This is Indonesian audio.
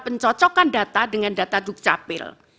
pencocokan data dengan data dukcapil